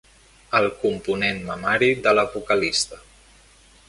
El component mamari de la vocalista.